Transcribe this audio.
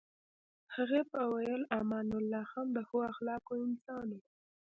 هغې به ویل امان الله خان د ښو اخلاقو انسان و.